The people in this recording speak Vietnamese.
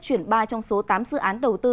chuyển ba trong số tám dự án đầu tư